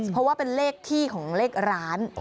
เพราะว่าเป็นเลขที่ของเลขร้าน